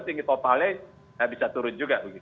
tinggi totalnya bisa turun juga